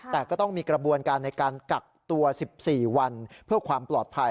แต่ก็ต้องมีกระบวนการในการกักตัว๑๔วันเพื่อความปลอดภัย